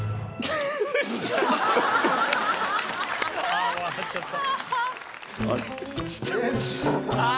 あ笑っちゃった。